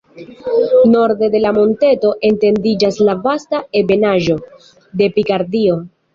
Norde de la monteto etendiĝas la vasta ebenaĵo de Pikardio.